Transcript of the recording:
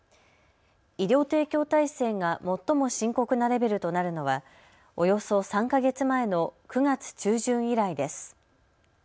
医療提供体制が最も深刻なレベルとなるのはおよそ３か月前の９月中旬以来です。